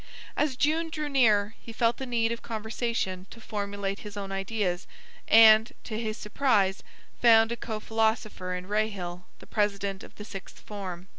As June drew near, he felt the need of conversation to formulate his own ideas, and, to his surprise, found a co philosopher in Rahill, the president of the sixth form.